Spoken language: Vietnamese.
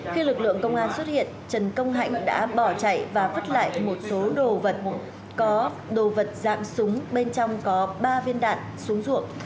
khi lực lượng công an xuất hiện trần công hạnh đã bỏ chạy và vứt lại một số đồ vật có đồ vật dạng súng bên trong có ba viên đạn xuống ruộng